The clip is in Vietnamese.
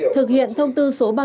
thực hiện thông tư số báo